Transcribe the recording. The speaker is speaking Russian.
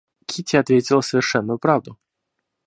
Кити ответила совершенную правду.